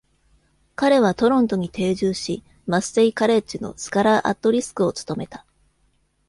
彼はトロントに定住し、マッセイ・カレッジのスカラー・アット・リスクを務めた。